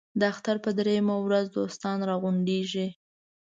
د اختر په درېیمه ورځ دوستان را غونډېږي.